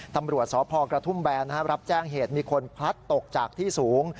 ตำรวจสพกระทุ่มแบนรับแจ้งเหตุมีคนพลัดตกจากที่สูง